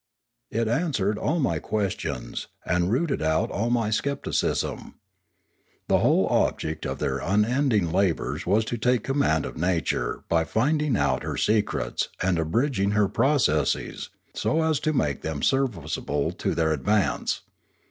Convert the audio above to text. It answered all my questions, and rooted out all my scepticism. The whole object of their unending labours was to take command of nature by finding out her se crets and abridging her processes, so as to make them serviceable to their advance.